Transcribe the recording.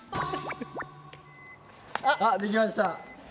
あできました。